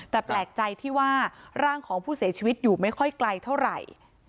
แต่แปลกใจที่ว่าร่างของผู้เสียชีวิตอยู่ไม่ค่อยไกลเท่าไหร่